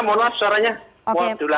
mohon maaf suaranya oke